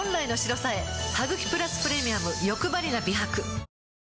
「ハグキプラスプレミアムよくばりな美白」